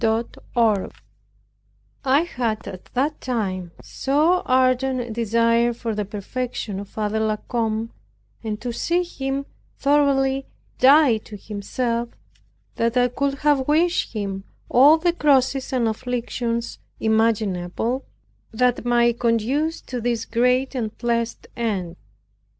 CHAPTER 12 I had at that time so ardent a desire for the perfection of Father La Combe, and to see him thoroughly die to himself, that I could have wished him all the crosses and afflictions imaginable, that might conduce to this great and blessed end.